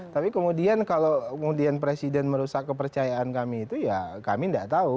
tapi kemudian kalau kemudian presiden merusak kepercayaan kami itu ya kami tidak tahu